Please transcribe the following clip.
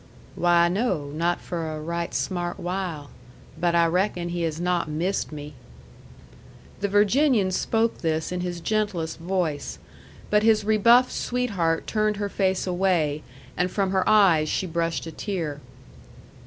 "Why, no; not for a right smart while. But I reckon he has not missed me." The Virginian spoke this in his gentlest voice. But his rebuffed sweetheart turned her face away, and from her eyes she brushed a tear.